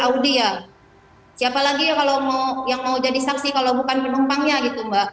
audi ya siapa lagi yang mau jadi saksi kalau bukan penumpangnya gitu mbak